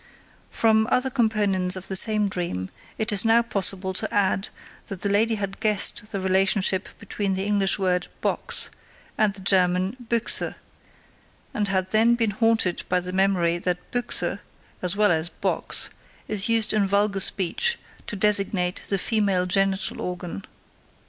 From other components of the same dream it is now possible to add that the lady had guessed the relationship between the English word "box" and the German Büchse, and had then been haunted by the memory that Büchse (as well as "box") is used in vulgar speech to designate the female genital organ.